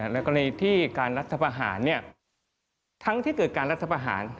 แล้วก็ในที่การรัฐประหารทั้งที่เกิดการรัฐประหาร